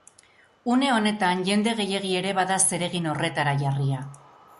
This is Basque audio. Une honetan jende gehiegi ere bada zeregin horretara jarria.